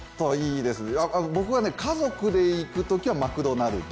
僕は家族で行くときはマクドナルド。